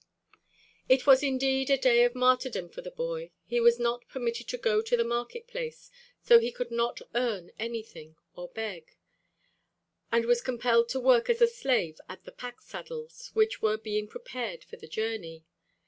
It was indeed a day of martyrdom for the boy. He was not permitted to go to the market place, so he could not earn anything or beg, and was compelled to work as a slave at the pack saddles, which were being prepared for the journey.